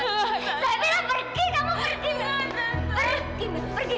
saya bilang pergi kamu pergi mila pergi mila pergi